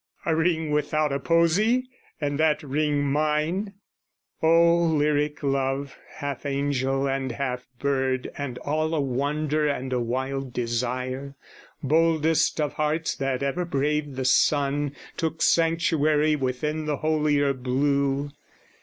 A ring without a posy, and that ring mine? O lyric Love, half angel and half bird And all a wonder and a wild desire, Boldest of hearts that ever braved the sun, Took sanctuary within the holier blue.